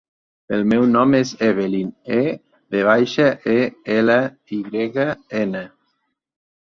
El meu nom és Evelyn: e, ve baixa, e, ela, i grega, ena.